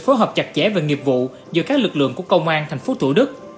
phối hợp chặt chẽ về nghiệp vụ giữa các lực lượng của công an thành phố thủ đức